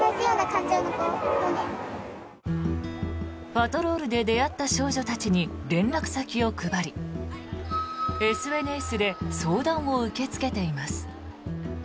パトロールで出会った少女たちに連絡先を配りＳＮＳで相談を受け付けています。